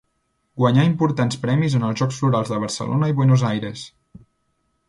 Guanyà importants premis en els Jocs Florals de Barcelona i Buenos Aires.